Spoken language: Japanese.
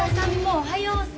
おはよう。